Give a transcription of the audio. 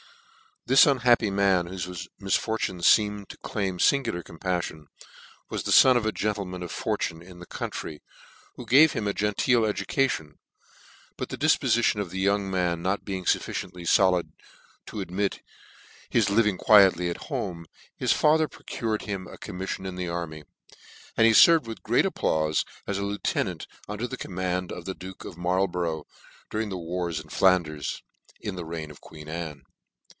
THIS unhappy man, whofe misfortunes feem to claim fingular companion, was the fon of a gentleman of fortune in the country, wha gave him a genteel education ; but the difpo lition of the young man not being fufficiently folid to admit his living quietly at home, his father procured him a commiffion in the army, and he ierved with great applaufe as a lieutenant under the command of the Duke of Marlborough, dur ing the wars in Flanders, in the reign of queen; Anne.